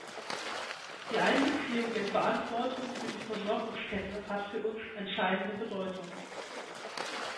Die Einbeziehung der Verantwortung für die Versorgungskette hat für uns entscheidende Bedeutung.